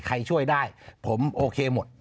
ใครช่วยได้ผมโอเคหมด